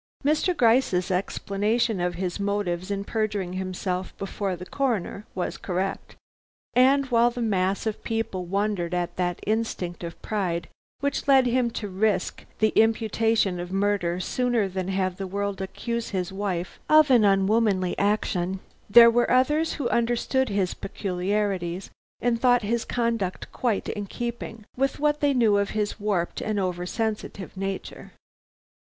Mr. Gryce's explanation of his motives in perjuring himself before the Coroner was correct, and while the mass of people wondered at that instinct of pride which led him to risk the imputation of murder sooner than have the world accuse his wife of an unwomanly action, there were others who understood his peculiarities, and thought his conduct quite in keeping with what they knew of his warped and over sensitive nature.